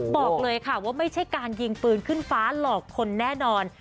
บอกเลยค่ะว่าไม่ใช่การยิงปืนขึ้นฟ้าหลอกคนแน่นอน